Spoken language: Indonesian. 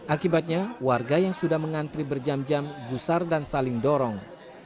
akibatnya warga yang sudah mengantri berjam jam gusar dan saling dorong